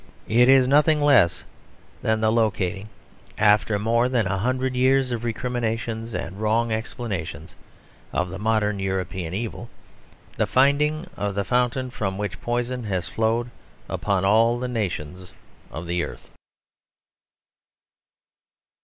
It is nothing less than the locating, after more than a hundred years of recriminations and wrong explanations, of the modern European evil: the finding of the fountain from which poison has flowed upon all the nations of the earth.